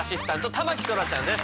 田牧そらちゃんです。